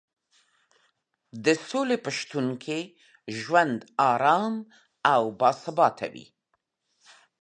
د سولې په شتون کې ژوند ارام او باثباته وي.